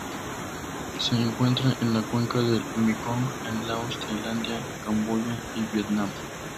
Se encuentra en la cuenca del Mekong en Laos, Tailandia, Camboya y Vietnam.